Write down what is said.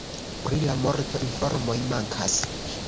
Pri la morto informoj mankas.